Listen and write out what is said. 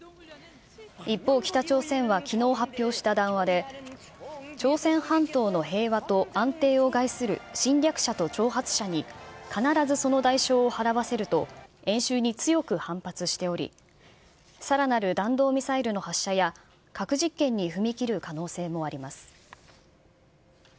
一方、北朝鮮はきのう発表した談話で、朝鮮半島の平和と安定を害する侵略者と挑発者に、必ずその代償を払わせると、演習に強く反発しており、さらなる弾道ミサイルの発射や、核実験に踏み切る可能性もあります。